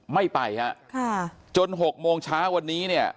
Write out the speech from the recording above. ไม่ไปฮะค่ะจน๖โมงเช้าวันนี้เนี่ย